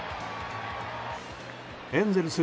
エンゼルス